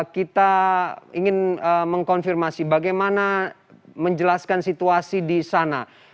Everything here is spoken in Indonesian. kita ingin mengkonfirmasi bagaimana menjelaskan situasi di sana